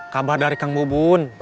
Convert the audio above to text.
kabar dari kang bu bun